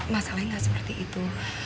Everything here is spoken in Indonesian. masalahnya gak seperti itu